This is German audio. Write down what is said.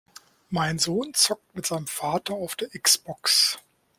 Mein Sohn zockt mit seinem Vater auf der X-Box!